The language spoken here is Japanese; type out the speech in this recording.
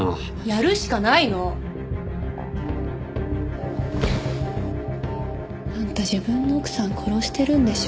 やるしかないの！あんた自分の奥さん殺してるんでしょ。